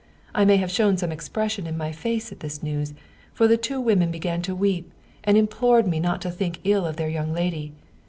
I may have shown some expression in my face at this news, for the two women began to weep, and implored me not to think ill of their young lady.